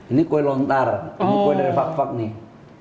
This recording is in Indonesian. ini dari fak fak nih